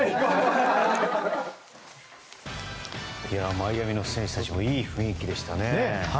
マイアミの選手たちもいい雰囲気でしたね。